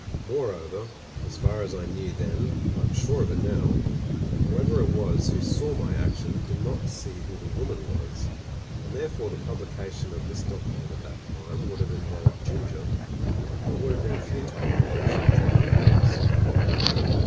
Moreover, as far as I knew then — I am sure of it now — ^whoever it was who saw my action, did not see who the woman was, and therefore the publication of this document at that time would have involved Ginger, for it would have been futile to publish it with out names.